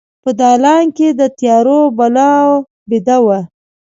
په دالان کې د تیارو بلا بیده وه